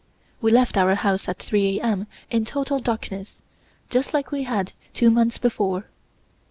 We left our house at 3:00 A. M. in total darkness, just like we had two months before.